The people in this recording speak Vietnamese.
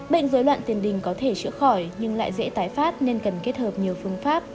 bệnh dối loạn tiền đình có thể chữa khỏi nhưng lại dễ tái phát nên cần kết hợp nhiều phương pháp